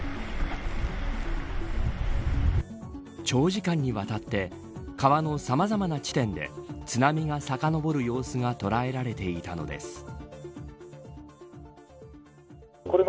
長時間にわたって川のさまざまな地点で津波がさかのぼる様子が捉えられていたのです。